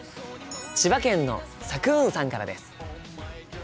千葉県のさくーんさんからです。